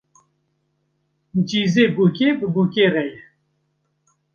Cîzê bûkê bi bûkê re ye